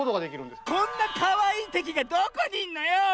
こんなかわいいてきがどこにいんのよ！